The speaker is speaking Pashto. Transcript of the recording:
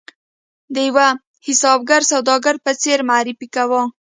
د یوه حسابګر سوداګر په څېر معرفي کاوه.